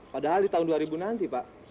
padahal di tahun dua ribu nanti pak